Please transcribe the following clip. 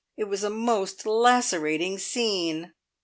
It was a most lacerating scene.